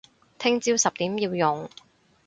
聽朝十點要用